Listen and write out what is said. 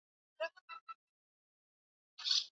kijana yule alikufa kwenye ajali hiyo